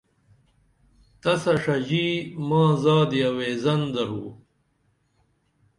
تسہ ݜژی ما زادی اویزن درو